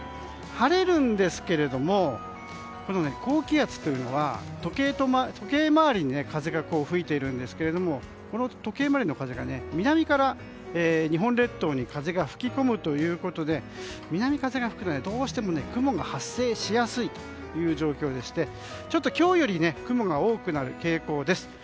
晴れるんですけれど高気圧というのは時計回りに風が吹いているんですけどこの時計回りの風が南から日本列島に吹き込むということで南風が吹くのでどうしても雲が発生しやすいという状況でして今日より雲が多くなる傾向です。